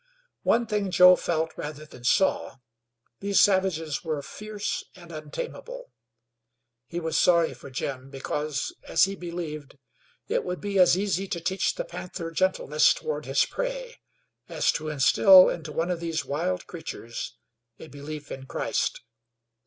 One thing Joe felt rather than saw these savages were fierce and untamable. He was sorry for Jim, because, as he believed, it would be as easy to teach the panther gentleness toward his prey as to instill into one of these wild creatures a belief in Christ.